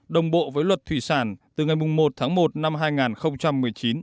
đồng bộ với luật thủy sản từ ngày một tháng một năm hai nghìn một mươi chín